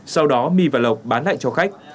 sau đó my và lộc bán lại cho khách